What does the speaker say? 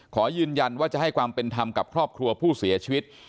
ขอยืนยันว่าจะให้ความเป็นธรรมกับครอบครัวผู้เสียชีวิต